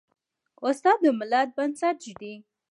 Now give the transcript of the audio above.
استاد د ملت بنسټ ږدي.